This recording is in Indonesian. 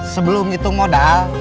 sebelum ngitung modal